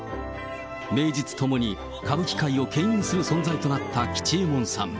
名実ともに歌舞伎界をけん引する存在となった吉右衛門さん。